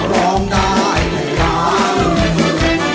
ร้องได้ให้ล้าน